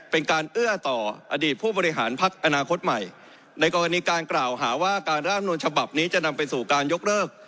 เป็นการเอื้อต่ออดีตผู้บริหารพักอนาคตใหม่ในกรณีการกล่าวหาว่าการร่างนวนฉบับนี้จะนำไปสู่การยกเลิก